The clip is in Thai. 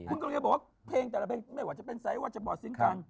คุณก็เลยบอกว่าเพลงแต่ละเพลงไม่ว่าจะเป็นไซส์ว่าจะบอร์ดซิงคัง